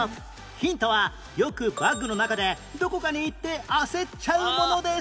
ヒントはよくバッグの中でどこかにいって焦っちゃうものです